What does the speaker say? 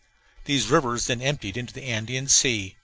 These rivers then emptied into the Andean Sea.